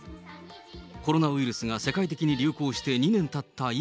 コロナウイルスが世界的に流行して２年たった